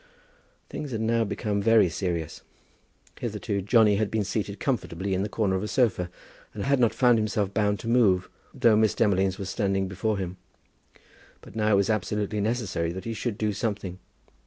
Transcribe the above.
Things had now become very serious. Hitherto Johnny had been seated comfortably in the corner of a sofa, and had not found himself bound to move, though Miss Demolines was standing before him. But now it was absolutely necessary that he should do something.